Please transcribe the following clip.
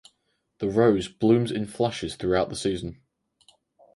The rose blooms in flushes throughout the season.